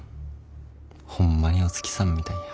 ほんまにお月さんみたいや。